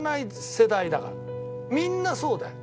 みんなそうだよ。